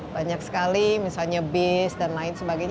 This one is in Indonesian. banyak sekali misalnya bis dan lain sebagainya